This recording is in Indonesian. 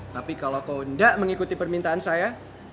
tapi kalau kau tidak mengikuti permintaan saya